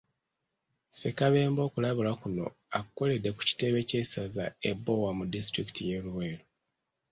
Ssekabembe okulabula kuno akukoledde ku kitebe ky'essaza e Bbowa mu disitulikiti y'e Luweero